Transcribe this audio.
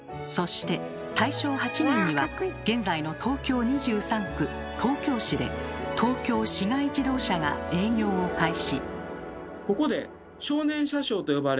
そして大正８年には現在の東京２３区東京市で東京市街自動車が営業を開始。